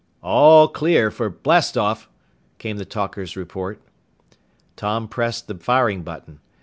"All clear for blast off!" came the talker's report. Tom pressed the firing button.